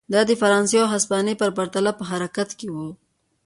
دا د فرانسې او هسپانیې په پرتله په حرکت کې و.